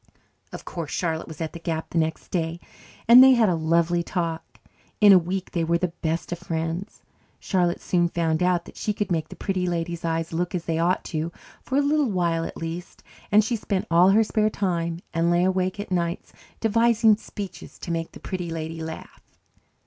Of course Charlotte was at the gap the next day and they had a lovely talk. In a week they were the best of friends. Charlotte soon found out that she could make the Pretty Lady's eyes look as they ought to for a little while at least, and she spent all her spare time and lay awake at nights devising speeches to make the Pretty Lady laugh.